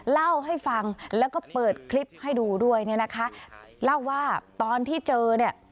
เล่าให้ฟังแล้วก็เปิดคลิปให้ดูด้วยเนี่ยนะคะเล่าว่าตอนที่เจอเนี่ย